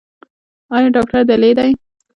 ایا ډاکټر دلې دی؟